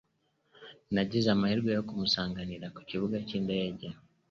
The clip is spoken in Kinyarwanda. Nagize amahirwe yo kumusanganira ku kibuga cy'indege.